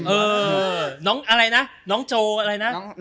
เออน้องอะไรนะน้องโจอะไรนะ